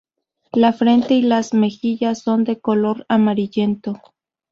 La frente y las mejillas son de color amarillento.